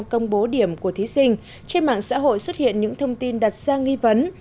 công bố điểm của thí sinh trên mạng xã hội xuất hiện những thông tin đặt ra nghi vấn